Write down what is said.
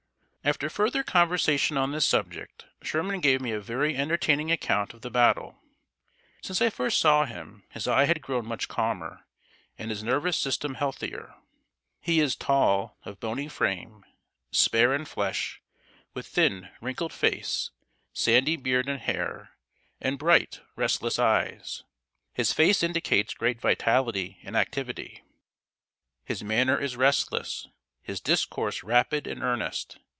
] After further conversation on this subject, Sherman gave me a very entertaining account of the battle. Since I first saw him, his eye had grown much calmer, and his nervous system healthier. He is tall, of bony frame, spare in flesh, with thin, wrinkled face, sandy beard and hair, and bright, restless eyes. His face indicates great vitality and activity; his manner is restless; his discourse rapid and earnest.